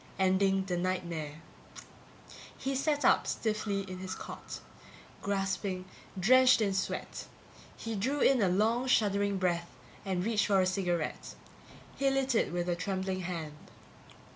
Ending the nightmare. He sat up stiffly in his cot, gasping, drenched in sweat. He drew in a long shuddering breath and reached for a cigarette. He lit it with a trembling hand.